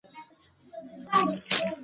ښوونکي شاګردانو ته لارښوونه کوي.